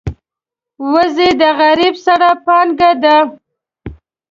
وزې د غریب سړي پانګه ده